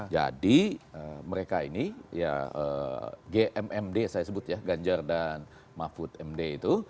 jadi mereka ini ya gmmd saya sebut ya ganjar dan mahfud md itu